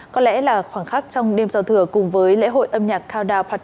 có lẽ là khoảng khắc trong đêm giao thừa cùng với lễ hội âm nhạc khao đao park